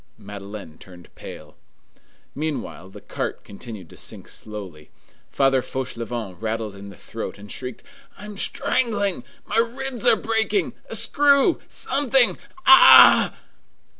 Madeleine turned pale. Meanwhile, the cart continued to sink slowly. Father Fauchelevent rattled in the throat, and shrieked:— "I am strangling! My ribs are breaking! a screw! something! Ah!"